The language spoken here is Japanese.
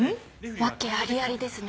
訳ありありですね。